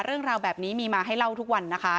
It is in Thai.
เรื่องราวแบบนี้มีมาให้เล่าทุกวันนะคะ